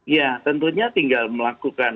ya tentunya tinggal melakukan